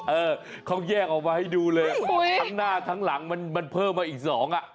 เออเขาแยกออกมาให้ดูเลยอ่ะทั้งหน้าทั้งหลังมันมันเพิ่มมาอีกสองอ่ะ